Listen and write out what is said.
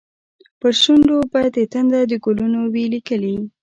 پر شونډو به دې تنده، د کلونو وي لیکلې